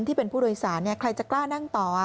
ที่เป็นผู้โดยสารใครจะกล้านั่งต่อ